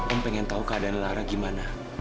om pengen tahu keadaan lara gimana